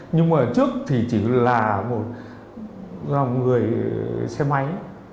nhưng mà trước thì chỉ là một dòng người xe máy